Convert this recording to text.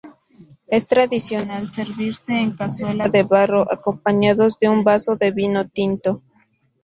Es tradicional servirse en cazuela de barro acompañados de un vaso de vino tinto.